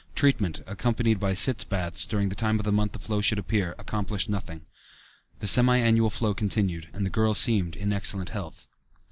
Treatment, accompanied by sitz baths during the time of month the flow should appear, accomplished nothing. The semi annual flow continued and the girl seemed in excellent health.